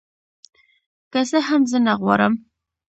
که څه هم زه نغواړم